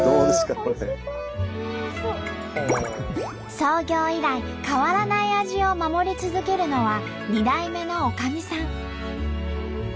創業以来変わらない味を守り続けるのは２代目のおかみさん。